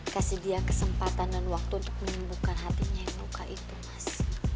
kasih dia kesempatan dan waktu untuk menyembuhkan hatinya yang luka itu mas